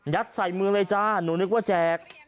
ใส่มือเลยจ้าหนูนึกว่าแจก